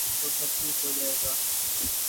تو سب ٹھیک ہو جائے گا۔